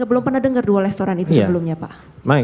saya belum pernah dengar dua restoran itu sebelumnya pak